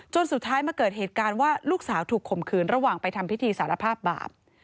สุดท้ายมาเกิดเหตุการณ์ว่าลูกสาวถูกข่มขืนระหว่างไปทำพิธีสารภาพบาป